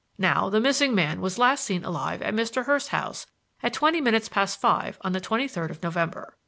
Now, the missing man was last seen alive at Mr. Hurst's house at twenty minutes past five on the twenty third of November.